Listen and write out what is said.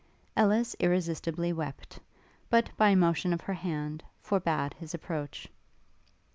Ellis irresistibly wept, but, by a motion of her hand, forbad his approach.